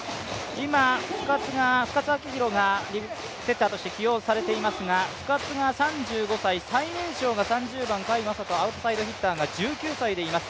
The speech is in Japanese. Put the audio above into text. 今、深津旭弘がセッターとして起用されていますが深津が３５歳、最年少が３０番、甲斐優斗アウトサイドヒッターが１９歳でいます。